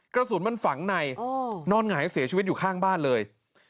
กระสุนมันฝังในนอนหงายเสียชีวิตอยู่ข้างบ้านเลย